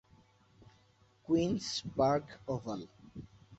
queen's Park oval